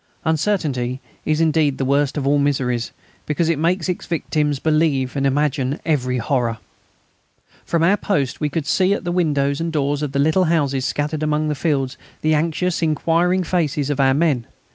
Uncertainty is indeed the worst of all miseries, because it makes its victims believe and imagine every horror. From our post we could see at the windows and doors of the little houses scattered among the fields the anxious and inquiring faces of our men.